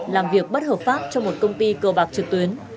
làm việc bất hợp pháp cho một công ty cờ bạc trực tuyến